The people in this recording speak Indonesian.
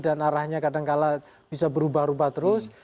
dan arahnya kadang kadang bisa berubah ubah terus